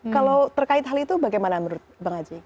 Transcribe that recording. kalau terkait hal itu bagaimana menurut bang haji